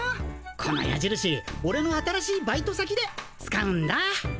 このやじるしオレの新しいバイト先で使うんだ。